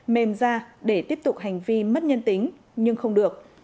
mềm ra để tiếp tục hành vi mất nhân tính nhưng không được